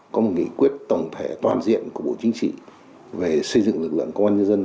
có một nghị quyết tổng thể toàn diện của bộ chính trị về xây dựng lực lượng công an nhân dân